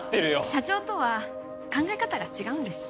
社長とは考え方が違うんです